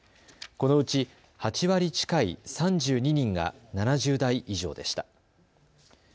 このうち８割近い３２人が７０代以上でした。